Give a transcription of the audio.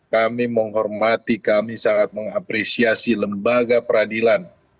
kami menghormati kami sangat mengapresiasi lembaga peradilan